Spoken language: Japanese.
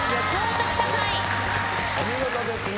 お見事ですね。